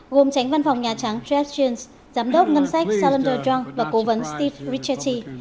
gồm tránh văn phòng nhà trắng jeff jones giám đốc ngân sách salondra young và cố vấn steve ritchie